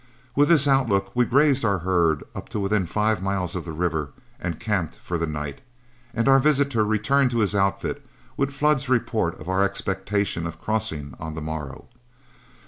With this outlook, we grazed our herd up to within five miles of the river and camped for the night, and our visitor returned to his outfit with Flood's report of our expectation of crossing on the morrow.